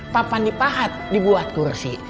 papan dipahat dibuat kursi